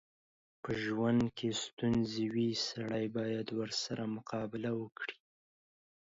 په ژوند کې ستونځې وي، سړی بايد ورسره مقابله وکړي.